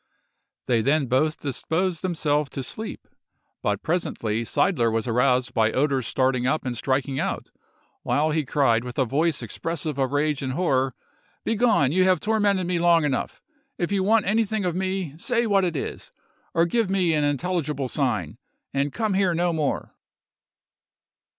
They then both disposed themselves to sleep, but presently Seidler was aroused by Oeder's starting up and striking out, while he cried, with a voice expressive of rage and horror, "Begone! You have tormented me long enough! If you want anything of me, say what it is, or give me an intelligible sign, and come here no more!"